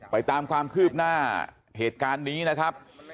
ตามความคืบหน้าเหตุการณ์นี้นะครับ